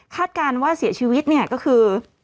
คาดการณ์ว่าเสียชีวิตก็คือ